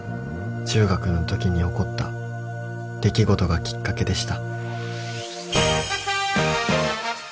「中学の時に起こった出来事がきっかけでした」